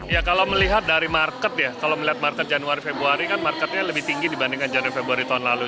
ya kalau melihat dari market ya kalau melihat market januari februari kan marketnya lebih tinggi dibandingkan januari februari tahun lalu